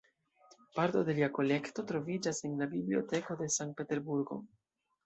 Parto de lia kolekto troviĝas en la Biblioteko de Sankt-Peterburgo.